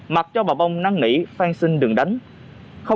mặc cho bà bông năng nỉ phan xin đừng đánh